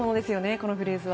このフレーズは。